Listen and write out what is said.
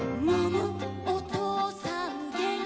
おとうさんげんきがない」